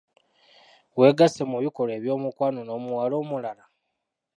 Wegasse mu bikolwa eby'omukwano n'omuwala omulala?